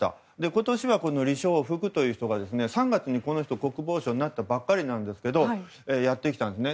今年はリ・ショウフクという人が３月に国防相になったばかりなんですがやってきたんですね。